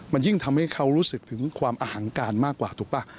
มันยิ่งทำให้เขารู้สึกถึงความอหังการมากกว่าถูกป่ะ